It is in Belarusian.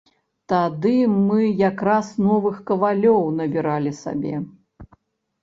Тады мы якраз новых кавалёў набіралі сабе.